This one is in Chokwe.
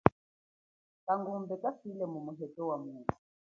Kangumbe wafile mumu heto wamuthu.